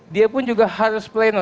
dia pun juga harus pleno